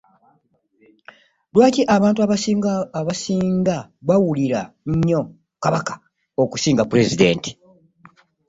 Lwaki abantu abasinga bawulira nnyo kabaka okusinga pulezidenti?